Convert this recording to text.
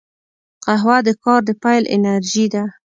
قهوه د کار د پیل انرژي ده